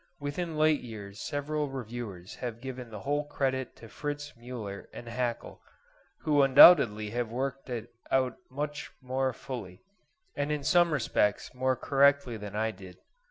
Within late years several reviewers have given the whole credit to Fritz Muller and Hackel, who undoubtedly have worked it out much more fully, and in some respects more correctly than I did.